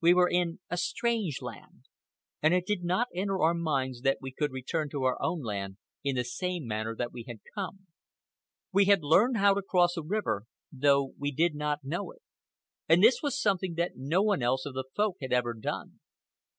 We were in a strange land, and it did not enter our minds that we could return to our own land in the same manner that we had come. We had learned how to cross a river, though we did not know it. And this was something that no one else of the Folk had ever done.